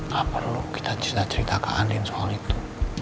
gak perlu kita cerita cerita ke andin soal itu